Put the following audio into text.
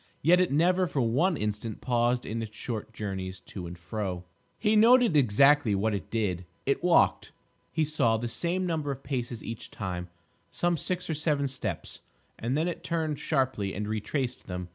Yet it never for one instant paused in its short journeys to and fro. He noted exactly what it did: it walked, he saw, the same number of paces each time, some six or seven steps, and then it turned sharply and retraced them.